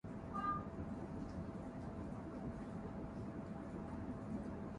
Để chiều hờn dỗi quắt quay nhớ người